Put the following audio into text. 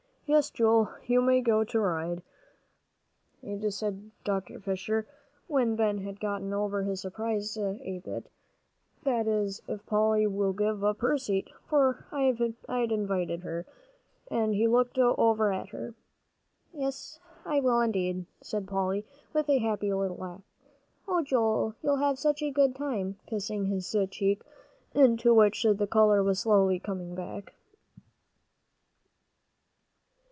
"Yes, Joel may go to ride," said Dr. Fisher, when Ben had gotten over his surprise a bit; "that is, if Polly will give up her seat, for I'd invited her," and he looked over at her. "Yes, I will, indeed," said Polly, with a happy little laugh. "Oh, Joe, you'll have such a good time!" kissing his cheek, into which the color was slowly coming back.